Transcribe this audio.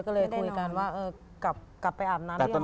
ก็เลยคุยกันว่ากลับไปอาบน้ำหรือยัง